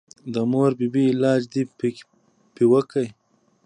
د مور بي بي علاج دې پې وکه.